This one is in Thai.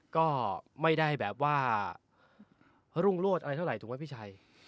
ก็ไม่ได้แบบว่าพระรุ่งโลศอะไรเท่าไหถูกไหมพี่ชัย